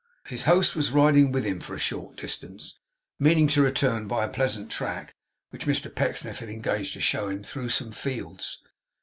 His host was riding with him for a short distance; meaning to return by a pleasant track, which Mr Pecksniff had engaged to show him, through some fields.